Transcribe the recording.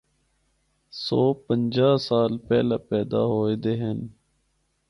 سو پنجاع سال پہلا پیدا ہویے دے ہن۔